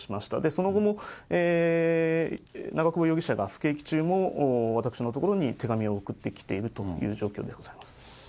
その後も、長久保容疑者が服役中も、私のところに手紙を送ってきているという状況でございます。